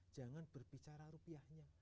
jangan berbicara rupiahnya